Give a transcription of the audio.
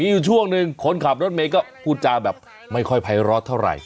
อยู่ช่วงหนึ่งคนขับรถเมย์ก็พูดจาแบบไม่ค่อยภัยร้อนเท่าไหร่